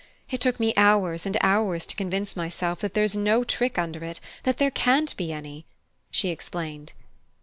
It took me hours and hours to convince myself that there's no trick under it, that there can't be any," she explained.